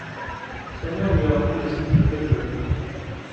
Sa mère lui a appris à skier très jeune.